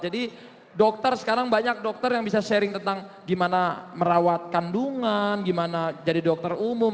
jadi dokter sekarang banyak dokter yang bisa sharing tentang gimana merawat kandungan gimana jadi dokter umum